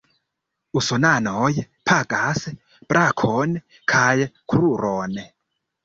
Usonanoj pagas brakon kaj kruron.